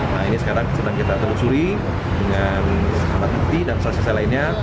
nah ini sekarang sudah kita telusuri dengan pak bati dan seseorang lainnya